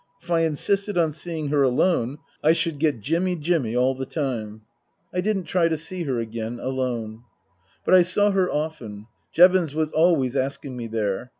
If I insisted on seeing her alone I should get Jimmy, Jimmy, all the time. I didn't try to see her again alone. But I saw her often. Jevons was always asking me there.